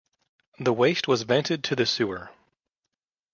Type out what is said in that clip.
The waste was vented to the sewer.